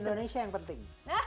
di indonesia yang penting